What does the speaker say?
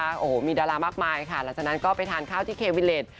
โอ้โหมีดารามากมายค่ะหลังจากนั้นก็ไปทานข้าวที่เควิเลส